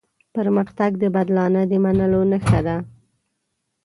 پرمختګ د بدلانه د منلو نښه ده.